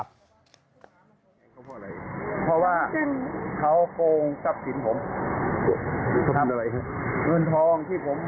เพราะว่าเขาโกงกับสินผม